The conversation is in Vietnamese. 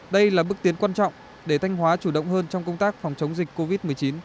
đây là bước tiến quan trọng để thanh hóa chủ động hơn trong công tác phòng chống dịch covid một mươi chín